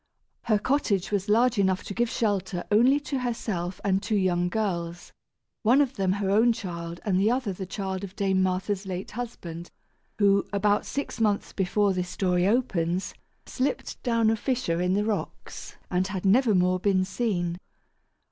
Her cottage was large enough to give shelter only to herself and two young girls, one of them her own child and the other the child of Dame Martha's late husband, who, about six months before this story opens, slipped down a fissure in the rocks and had nevermore been seen.